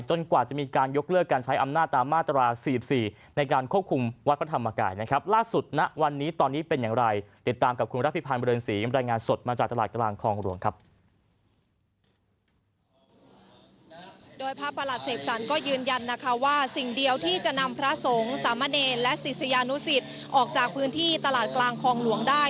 จนกว่ากล้ามีการยกเลือกการใช้อำนาจตามมาตรา๔๔ในการควบคุมวัดพระธรรมกรรมล่าสุด